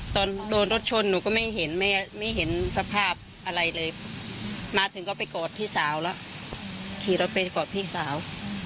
ตอนโดนรถชนหนูก็ไม่เห็นสภาพอะไรเลยมาถึงก็ไปกอดพี่สาวแล้ว